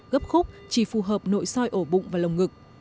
gấp khúc chỉ phù hợp nội soi ổ bụng và lồng ngực